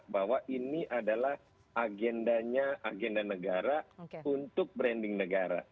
bahwa ini adalah agendanya agenda negara untuk branding negara